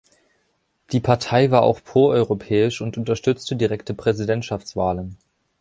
Die Partei war auch pro-europäisch und unterstützte direkte Präsidentschaftswahlen.